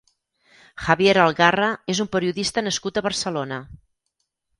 Javier Algarra és un periodista nascut a Barcelona.